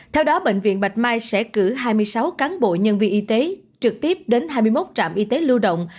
theo đó bệnh viện bạch mai sẽ cử hai mươi sáu cán bộ nhân viên y tế trực tiếp đến hai mươi một trạm y tế lưu động